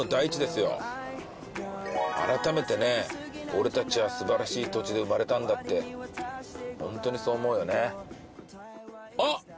俺たちはすばらしい土地で生まれたんだってホントにそう思うよねあ！